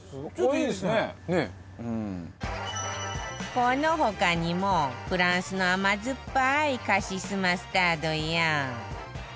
この他にもフランスの甘酸っぱいカシスマスタードや